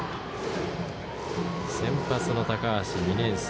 先発の高橋、２年生。